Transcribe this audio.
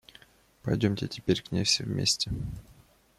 Пойдемте теперь к ней все вместе.